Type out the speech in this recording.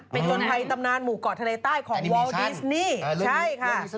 เป็นคนไทยตำนานหมู่เกาะทะเลใต้ของวอลดิสนี่ใช่ค่ะ